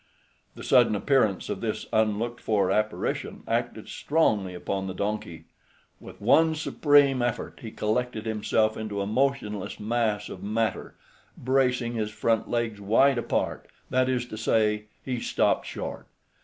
The sudden appearance of this unlooked for apparition acted strongly upon the donkey. With one supreme effort he collected himself into a motionless mass of matter, bracing his front legs wide apart; that is to say, he stopped short.